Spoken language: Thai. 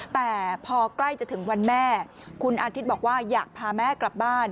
แต่พอใกล้จะถึงวันแม่คุณอาทิตย์บอกว่าอยากพาแม่กลับบ้าน